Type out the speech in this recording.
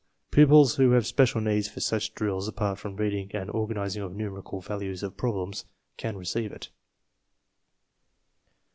Pupils who have special need for such drills, apart from reading and organizing of numerical values of problems, can receive it.